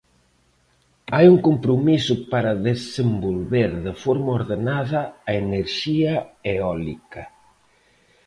Hai un compromiso para desenvolver de forma ordenada a enerxía eólica.